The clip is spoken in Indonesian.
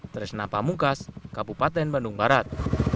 trisna pamukas kabupaten bandung barat